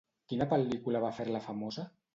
Quina pel·lícula va fer-la famosa?